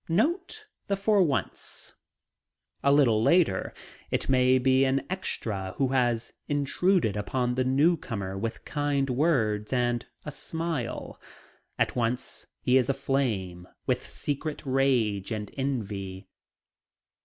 Note the "for once." A little later it may be an extra who has intruded upon the newcomer with kind words and a smile. At once he is aflame with secret rage and envy.